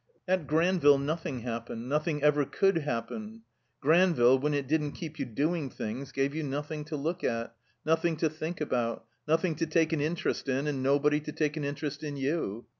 At Granville nothing happened, nothing ever could happen. Granville, when it didn't keep you doing things, gave you nothing to look at, nothing to think about, nothing to take an interest in, and nobody to take an interest in you.